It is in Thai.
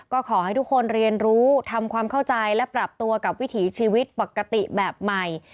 ก็ขอให้ทุกคนเรียนรู้ทำความเข้าใจและปรับตัวกับวิถีชีวิตปกติแบบใหม่